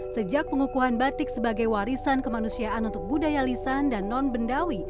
sejak pengukuhan batik sebagai warisan kemanusiaan untuk budaya lisan dan non bendawi